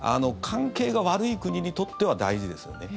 関係が悪い国にとっては大事ですよね。